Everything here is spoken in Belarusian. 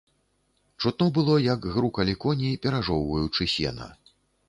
Чутно было, як грукалі коні, перажоўваючы сена.